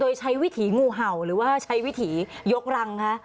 โดยใช้วิถีงูเห่าหรือว่าใช้วิถียกรังคะ